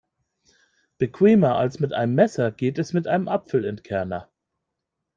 Bequemer als mit einem Messer geht es mit einem Apfelentkerner.